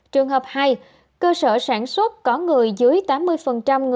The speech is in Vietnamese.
trường hợp hai cơ sở sản xuất có người dưới tám mươi người lao động